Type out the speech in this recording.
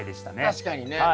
確かにね。